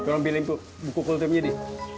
di lo bingung buku kultumnya di